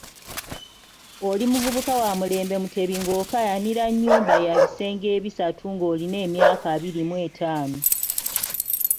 Oli muvubuka wa mulembe Mutebi ng'okaayanira nnyumba ey'ebisenge ebisatu ng'olina emyaka abiri mw'etaano.